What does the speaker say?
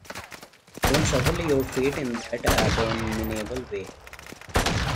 Don't shuffle your feet in that abominable way.